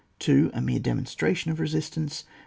A mere demonstration of resistance.